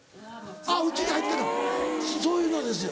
あっ内に入ってんのそういうのですよ。